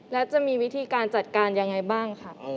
แล้วจะมีวิธีการจัดการยังไงบ้างค่ะ